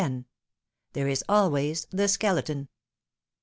THERE IS ALWAYS THE SKELETON.